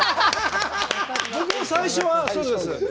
僕も最初はそうです。